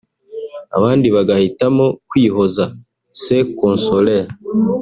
abandi bagahitamo kwihoza (se consoler)